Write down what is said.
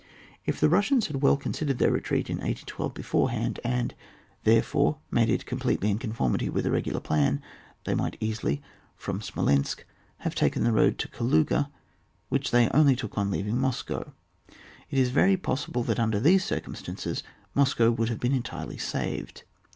If the Kussians had well considered their retreat in 1812 beforehand, and, therefore, made it completely in con formity with h, regular plan, they might easily, from Smolensk, have taken the road to Kaluga, which they only took on leaving Moscow ; it is very possible that under these circumstances Moscow would have been entirely saved.